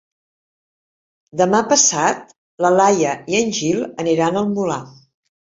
Demà passat na Laia i en Gil aniran al Molar.